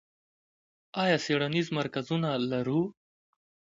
آیا څیړنیز مرکزونه لرو؟